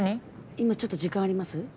今ちょっと時間あります？